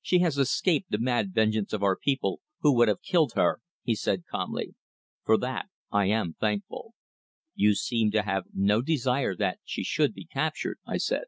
"She has escaped the mad vengeance of our people, who would have killed her," he said, calmly. "For that I am thankful." "You seem to have no desire that she should be captured," I said.